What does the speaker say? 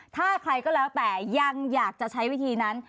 ถ้าใครก็แล้วแต่ยังอยากจะใช้วิธีนั้น